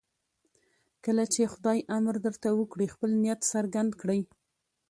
کله چې خدای امر درته وکړي خپل نیت څرګند کړئ.